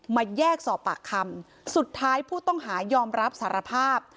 มาแยกสอบปากคำสุดท้ายผู้ต้องหายอมรับสารภาพ